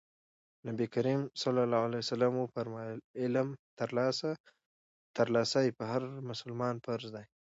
نبي کريم ص وفرمايل علم ترلاسی په هر مسلمان فرض دی.